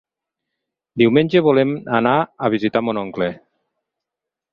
Diumenge volen anar a visitar mon oncle.